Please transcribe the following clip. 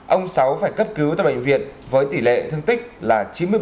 ông sáu phải cất cứu tại bệnh viện với tỷ lệ thương tích là chín mươi bảy